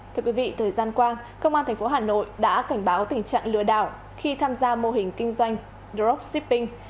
thưa quý vị thời gian qua công an tp hà nội đã cảnh báo tình trạng lừa đảo khi tham gia mô hình kinh doanh dropshipping